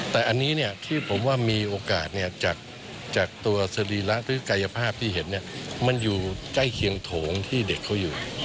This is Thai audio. แต่อันนี้เนี่ยที่ผมว่ามีโอกาสจากตัวศีรีรภาพก็จะอยู่ใกล้เคียงโถงที่เด็กเขาอยู่